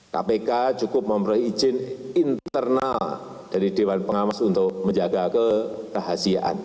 hai kpk cukup memperoleh izin internal dari dewan pengawas untuk menjaga kekehasiaan